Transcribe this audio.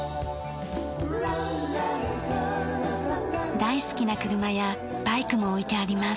大好きな車やバイクも置いてあります。